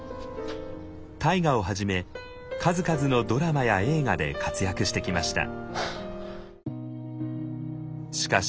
「大河」をはじめ数々のドラマや映画で活躍してきました。